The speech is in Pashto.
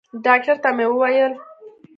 ډاکتر ته مې وويل.